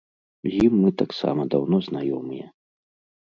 З ім мы таксама даўно знаёмыя.